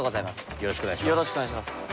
よろしくお願いします。